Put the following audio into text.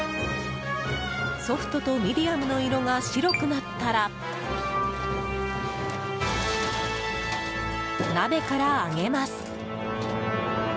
ソフトとミディアムの色が白くなったら、鍋からあげます。